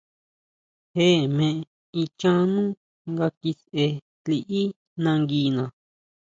Je me ichán nú nga kisʼe liʼí nanguina.